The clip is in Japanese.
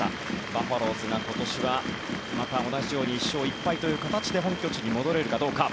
バファローズが今年はまた同じように１勝１敗という形で本拠地に戻れるかどうか。